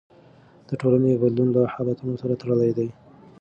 د ټولنې بدلون له حالتونو سره تړلی دی.